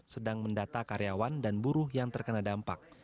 sedang mendata karyawan dan buruh yang terkena dampak